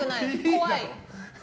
怖い。